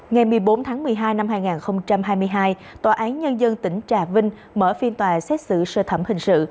ngày một mươi bốn tháng một mươi hai năm hai nghìn hai mươi hai tòa án nhân dân tỉnh trà vinh mở phiên tòa xét xử sơ thẩm hình sự